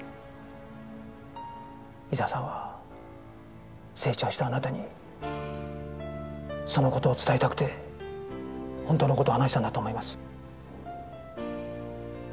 伊沢さんは成長したあなたにその事を伝えたくて本当の事を話したんだと思います。